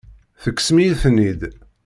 Tekksem-iyi-ten-id.